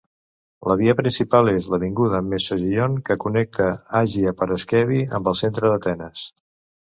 La via principal és l'avinguda Mesogeion, que connecta Agia Paraskevi amb el centre d'Atenes.